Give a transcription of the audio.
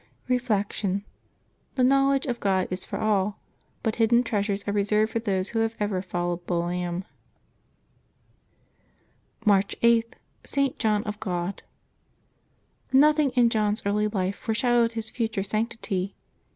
Reflection. — The knowledge of God is for all, but hid den treasures are reserved for those who have ever followed the Lamb. March 8.— ST. JOHN OF GOD. QOTHING in John's early life foreshadowed his future sanctity.